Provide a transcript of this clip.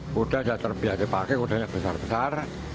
kuda sudah terbiasa dipakai kudanya besar besar